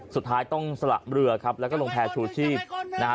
สุดท้ายต้องสละเรือครับแล้วก็ลงแพร่ชูชีพนะฮะ